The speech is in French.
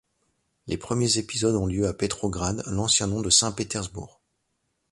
Les premiers épisodes ont lieu à Petrograd, l’ancien nom de Saint-Petersbourg.